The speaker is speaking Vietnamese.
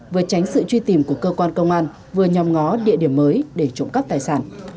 vừa tránh sự truy tìm của cơ quan công an vừa nhóm ngó địa điểm mới để trộm cắp tài sản